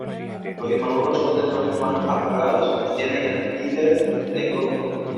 Los inmaduros son de tonos más apagados y tienen el píleo negruzco.